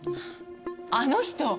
あの人